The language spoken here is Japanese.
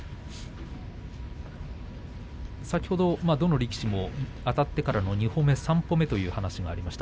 先ほど、どの力士もあたってからの２歩目、３歩目という話が出ました。